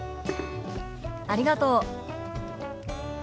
ありがとう。